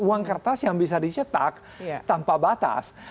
uang kertas yang bisa dicetak tanpa batas